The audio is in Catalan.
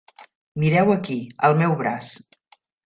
Mireu aquí, al meu braç!